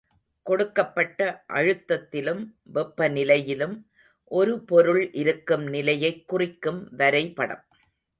கொடுக்கப்பட்ட அழுத்தத்திலும் வெப்பநிலையிலும் ஒருபொருள் இருக்கும் நிலையைக் குறிக்கும் வரைபடம்.